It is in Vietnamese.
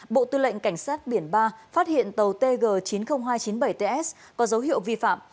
bộ tư lệnh cảnh sát biển ba phát hiện tàu tg chín mươi nghìn hai trăm chín mươi bảy ts có dấu hiệu vi phạm